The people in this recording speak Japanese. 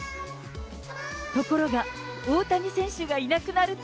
ところが、大谷選手がいなくなると。